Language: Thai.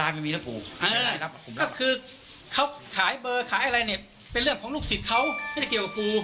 ก็คือเขาขายเบอร์ขายอะไรเนี่ยเป็นเรื่องของลูกศิษย์เขาไม่ได้เกี่ยวกับกู